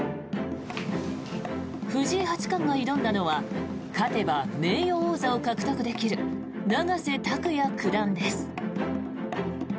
藤井八冠が挑んだのは勝てば名誉王座を獲得できる永瀬拓矢九段です。